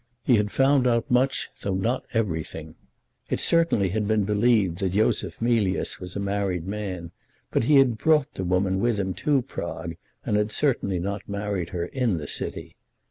He had found out much, though not everything. It certainly had been believed that Yosef Mealyus was a married man, but he had brought the woman with him to Prague, and had certainly not married her in the city.